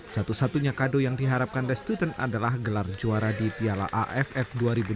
satu satunya kado yang diharapkan the student adalah gelar juara di piala aff dua ribu delapan belas